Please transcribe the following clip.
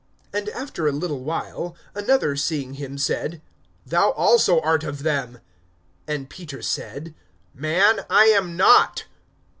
(58)And after a little while, another seeing him said: Thou also art of them. And Peter said: Man, I am not.